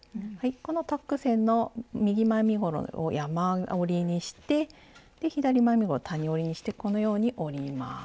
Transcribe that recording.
このタック線の右前身ごろを山折りにしてで左前身ごろ谷折りにしてこのように折ります。